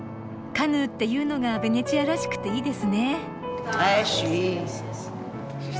カヌーっていうのがベネチアらしくていいですね。